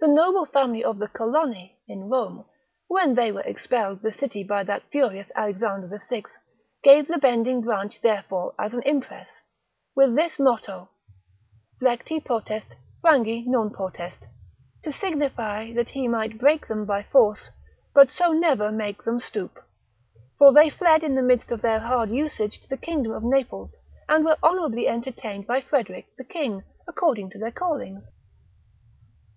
The noble family of the Colonni in Rome, when they were expelled the city by that furious Alexander the Sixth, gave the bending branch therefore as an impress, with this motto, Flecti potest, frangi non potest, to signify that he might break them by force, but so never make them stoop, for they fled in the midst of their hard usage to the kingdom of Naples, and were honourably entertained by Frederick the king, according to their callings.